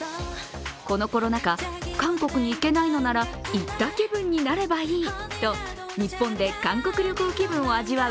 このコロナ禍、韓国に行けないのなら、行った気分になればいいと日本で韓国旅行気分を味わう